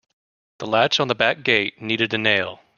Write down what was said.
The latch on the back gate needed a nail.